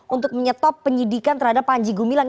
untuk menyetop penyidikan terhadap panji gumilang